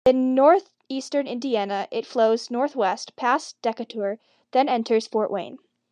In northeastern Indiana it flows northwest past Decatur, then enters Fort Wayne.